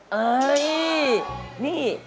เฮ้ยนี่